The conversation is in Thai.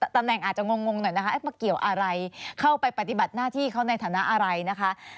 ตำแหน่งอาจจะงงหน่อยนะคะมาเกี่ยวอะไรเข้าไปปฏิบัติหน้าที่เขาในฐานะอะไรนะคะ